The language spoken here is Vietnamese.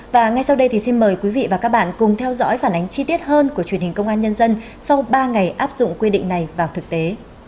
và ngay sau đây thì xin mời quý vị và các bạn cùng theo dõi phản ánh chi tiết hơn của truyền hình công an nhân dân sau ba ngày áp dụng quy định này vào thực tế